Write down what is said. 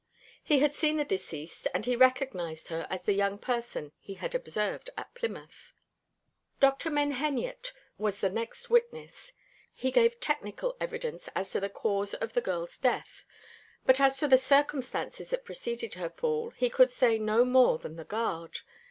He had seen the deceased, and he recognised her as the young person he had observed at Plymouth. Dr. Menheniot was the next witness. He gave technical evidence as to the cause of the girl's death; but as to the circumstances that preceded her fall, he could say no more than the guard.